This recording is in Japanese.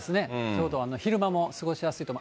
ちょうど昼間も過ごしやすいと。